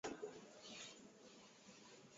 ku ku kuchunga nchi nchi yetu